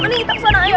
mending kita kesana aja